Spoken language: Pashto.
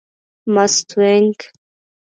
مستونگ